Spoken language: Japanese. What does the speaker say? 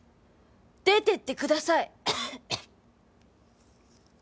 出てってください！